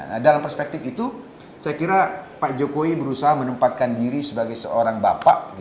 nah dalam perspektif itu saya kira pak jokowi berusaha menempatkan diri sebagai seorang bapak